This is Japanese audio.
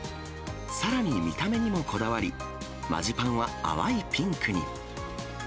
さらに見た目にもこだわり、マジパンは淡いピンクに。